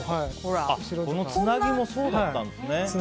つなぎもそうだったんですね。